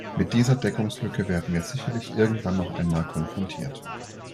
Mit dieser Deckungslücke werden wir sicherlich irgendwann noch einmal konfrontiert.